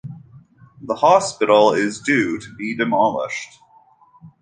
The hospital is due to be demolished.